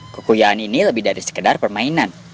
kekulian ini lebih dari sekedar permainan